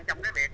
trong cái việc